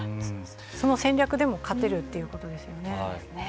その戦略でも勝てるということですよね。